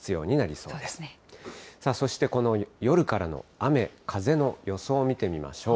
そしてこの夜からの雨風の予想見てみましょう。